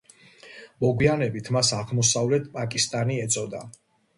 მოგვიანებით, მას აღმოსავლეთ პაკისტანი ეწოდა.